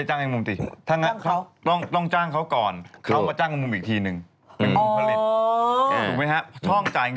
จำได้ตั้งแต่แรกแล้วจะเป็นถาม